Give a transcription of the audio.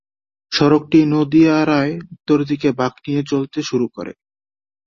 সড়কটি নদিয়ারায় উত্তর দিকে বাঁক নিয়ে চলতে শুরু করে।